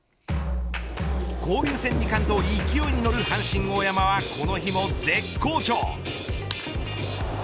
交流戦２冠と勢いに乗る阪神大山はこの日も絶好調。